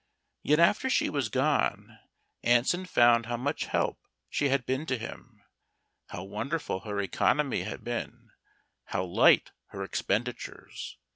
Yet after she was gone, Anson found how much help she had been to him, how wonderful her economy had been, how light her expenditures.